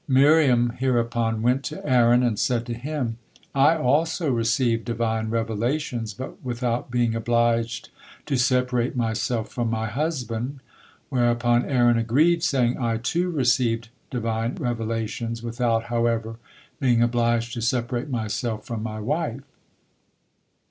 Miriam hereupon went to Aaron, and said to him: "I also received Divine revelations, but without being obliged to separated myself from my husband," whereupon Aaron agreed, saying" "I, too, received Divine revelations, without, however, being obliged to separated myself from my wife."